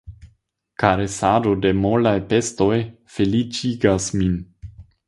Karesado de molaj bestoj feliĉigas min.